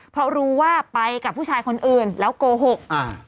เพราะรู้ว่าไปกับผู้ชายคนอื่นแล้วโกหกอ่า